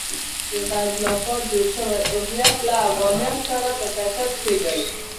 د غرب لخوا جوړ شوی هویت د افغانیت سره په ټکر کې دی.